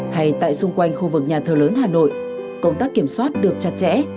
hay tại xung quanh khu vực nhà thờ lớn hà nội công tác kiểm soát được chặt chẽ